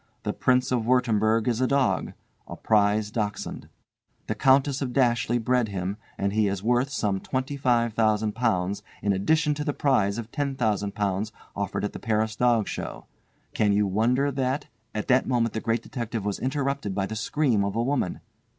The Prince of Wurttemberg is a dog, a prize Dachshund. The Countess of Dashleigh bred him, and he is worth some £25,000 in addition to the prize of £10,000 offered at the Paris dog show. Can you wonder that—" At that moment the Great Detective was interrupted by the scream of a woman.